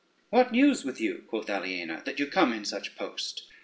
"What news with you," quoth Aliena, "that you come in such post?"